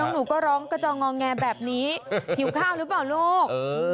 หนูก็ร้องกระจองงอแงแบบนี้หิวข้าวหรือเปล่าลูก